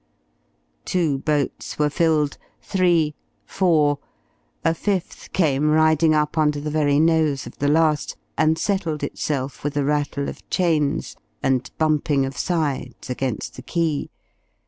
Two boats were filled, three, four.... A fifth came riding up under the very nose of the last, and settled itself with a rattle of chains and bumping of sides against the quay.